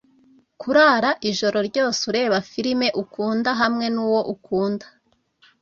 kurara ijoro ryose ureba firime ukunda hamwe nuwo ukunda.